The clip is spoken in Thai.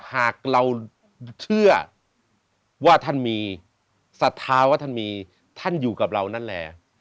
หากเราเชื่อว่าท่านมีศรัทธาว่าท่านมีท่านอยู่กับเรานั่นแหละ